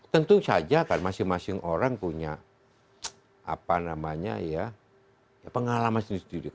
tentu saja kan masing masing orang punya pengalaman sendiri sendiri